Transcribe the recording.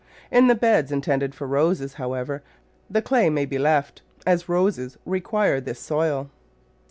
In the beds intended for Roses, however, the clay may be left, as Roses require this soil.